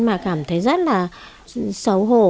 mà cảm thấy rất là xấu hổ